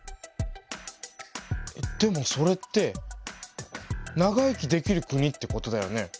でもそれって長生きできる国ってことだよね。